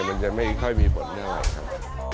มันจะไม่ค่อยมีปฏิบัตินะครับ